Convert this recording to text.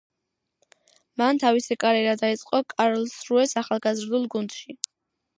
მან თავისი კარიერა დაიწყო კარლსრუეს ახალგაზრდულ გუნდში.